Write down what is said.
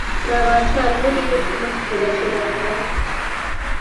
د باچا لور یې مخکې ده چې راغله.